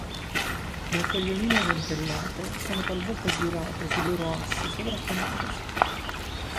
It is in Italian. Le foglioline dentellate sono talvolta girate sul loro asse sovrapponendosi.